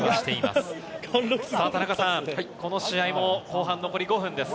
さあ、田中さん、この試合も後半残り５分です。